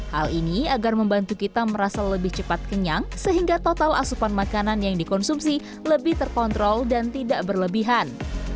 hal ini agar membantu kita merasa lebih cepat kenyang sehingga total asupan makanan yang dikonsumsi lebih terkontrol dan tidak berlebihan